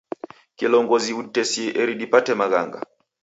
Kilongozi uditesie eri dipate maghanga.